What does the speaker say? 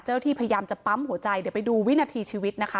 ที่พยายามจะปั๊มหัวใจเดี๋ยวไปดูวินาทีชีวิตนะคะ